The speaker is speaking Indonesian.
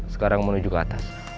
sekarang menuju ke atas